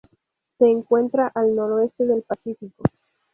Se encuentra al noreste del Pacífico.